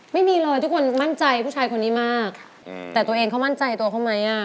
ไม่มีเลยทุกคนมั่นใจผู้ชายคนนี้มากแต่ตัวเองเขามั่นใจตัวเขาไหมอ่ะ